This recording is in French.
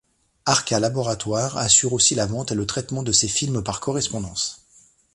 Arka Laboratoire assure aussi la vente et le traitement de ces films par correspondance.